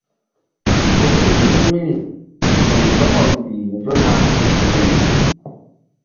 Ke ƴo ni̧h vbi̧ri ku̧lɔkɔ mbih nzona nzukri.